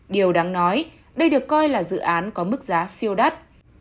điều đáng nói đây được coi là dự án có mức giá siêu đắt